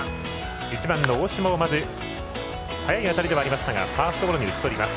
１番の大島をまず速い当たりではありましたがファーストゴロに打ち取ります。